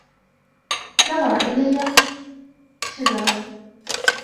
نظر إليّ شزرًا.